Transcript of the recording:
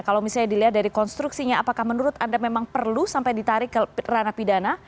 kalau misalnya dilihat dari konstruksinya apakah menurut anda memang perlu sampai ditarik ke ranah pidana